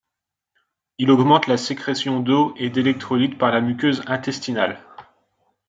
Il augmente la sécrétion d'eau et d'électrolytes par la muqueuse intestinale.